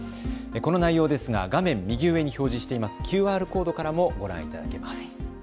この内容ですが画面右上に表示していますＱＲコードからもご覧いただけます。